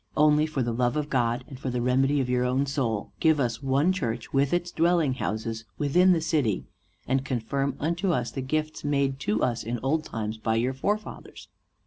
Only for the love of God, and for the remedy of your own soul, give us one church with its dwelling houses within the city, and confirm unto us the gifts made to us in old times by your forefathers."